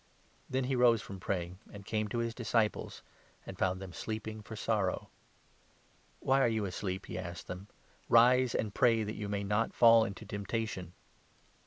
] Then he rose from 45 praying, and came to the disciples and found them sleeping for sorrow. " Why are you asleep ?" he asked them. " Rise and pray, 46 that you may not fall into temptation."